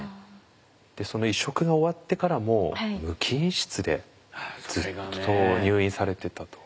移植が終わってからも無菌室でずっと入院されてたと。